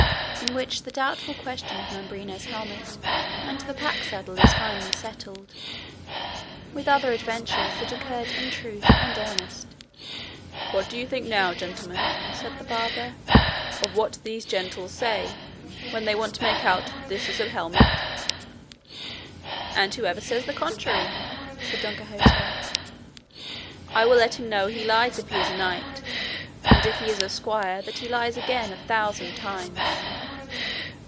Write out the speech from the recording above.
IN WHICH THE DOUBTFUL QUESTION OF MAMBRINO'S HELMET AND THE PACK SADDLE IS FINALLY SETTLED, WITH OTHER ADVENTURES THAT OCCURRED IN TRUTH AND EARNEST "What do you think now, gentlemen," said the barber, "of what these gentles say, when they want to make out that this is a helmet?" "And whoever says the contrary," said Don Quixote, "I will let him know he lies if he is a knight, and if he is a squire that he lies again a thousand times."